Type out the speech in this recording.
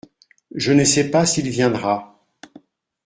Je ne sais pas s’il viendra.